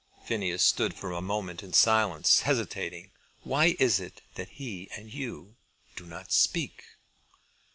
Phineas stood for a moment in silence, hesitating. "Why is it that he and you do not speak?"